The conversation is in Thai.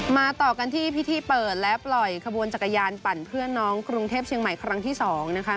ต่อกันที่พิธีเปิดและปล่อยขบวนจักรยานปั่นเพื่อนน้องกรุงเทพเชียงใหม่ครั้งที่๒นะคะ